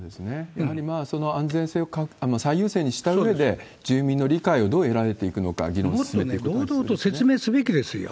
やはり安全性を最優先にしたうえで、住民の理解をどう得られていくのか、議論を進めていくことが必要ですね。